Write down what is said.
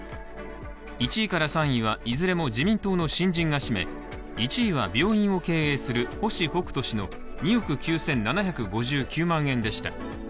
１位から３位はいずれも自民党の新人が占め１位は、病院を経営する星北斗氏の２億９７５９万円でした。